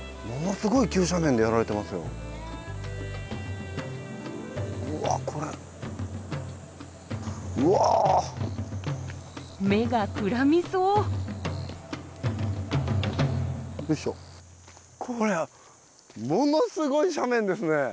ものすごい斜面ですね！